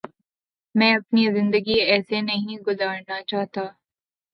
میں اپنی زندگی ایسے نہیں گزارنا چاہتا